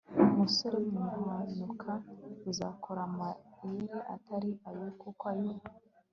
musore muhanuka, uzakore amayere atari ayo, kuko ayo